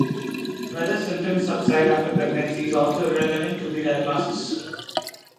Whether symptoms subside after pregnancy is also irrelevant to the diagnosis.